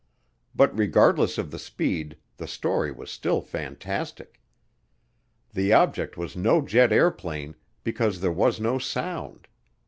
But regardless of the speed, the story was still fantastic. The object was no jet airplane because there was no sound.